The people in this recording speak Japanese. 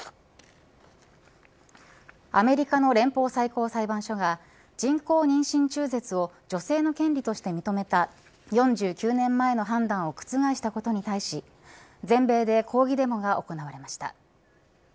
アメリカの連邦最高裁判所が人工妊娠中絶を女性の権利として認めた４９年前の判断を覆したことに対し全米で抗議デモが行われました。